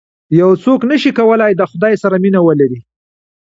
یو څوک نه شي کولای د خدای سره مینه ولري.